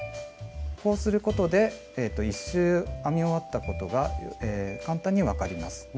こうすることで１周編み終わったことが簡単に分かります。